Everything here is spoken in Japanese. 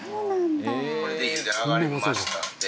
これで茹で上がりましたんで。